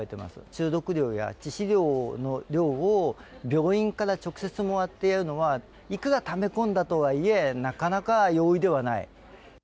中毒量や致死量の量を、病院から直接もらってやるのは、いくらため込んだとはいえ、なかなか容易ではない。